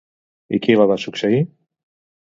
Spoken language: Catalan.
I qui la va succeir?